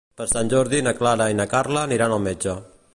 Per Sant Jordi na Clara i na Carla aniran al metge.